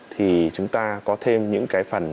thì chúng ta có thêm những cái phần